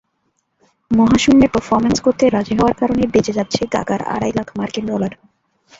মহাশূন্যে পারফর্মম্যান্স করতে রাজি হওয়ার কারণে বেচে যাচ্ছে গাগার আড়াই লাখ মার্কিন ডলার।